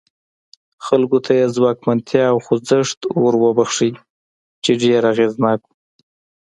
خلکو ته یې ځواکمنتیا او خوځښت وروباښه چې ډېر اغېزناک و.